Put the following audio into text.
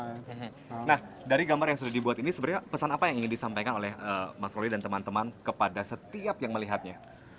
nah dari gambar yang sudah dibuat ini sebenarnya pesan apa yang ingin disampaikan oleh mas roli dan teman teman kepada setiap yang melihatnya